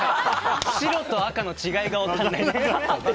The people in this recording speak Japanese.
白と赤の違いが分かんない。